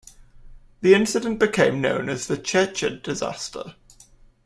The incident became known as the Cheche Disaster.